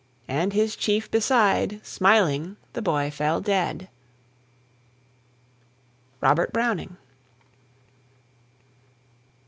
And his chief beside, Smiling the boy fell dead. ROBERT BROWNING.